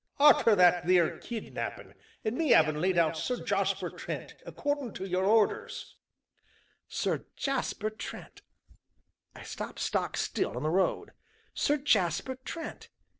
"Arter that theer kidnappin', an' me 'avin' laid out Sir Jarsper Trent accordin' to yer order." Sir Jasper Trent! I stopped stock still in the road. Sir Jasper Trent!